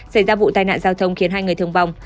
xảy ra vụ tai nạn giao thông khiến hai người thương vong